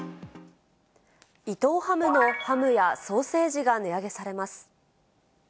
伊藤ハムのハムやソーセージが値上げされます。